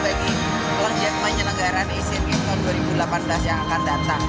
bagi pelajar penyelenggaran asean games dua ribu delapan belas yang akan datang